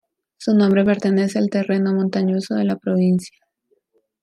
Su nombre pertenece al terreno montañoso de la provincia.